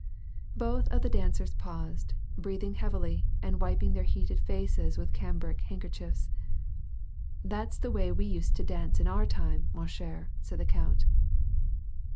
Both of the dancers paused, breathing heavily, and wiping their heated faces with cambric handkerchiefs. " That's the way we used to dance in our time, ma chere,^^ said the count.